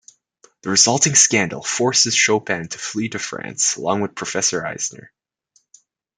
The resulting scandal forces Chopin to flee to France, along with Professor Eisner.